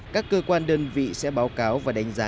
các cơ quan đơn vị sẽ báo cáo và đánh giá